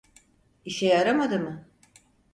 İşe yaramadı mı?